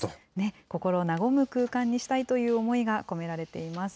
心和む空間にしたいという思いが込められています。